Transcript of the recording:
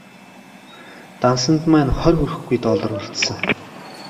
Дансанд маань хорь хүрэхгүй доллар үлдсэн.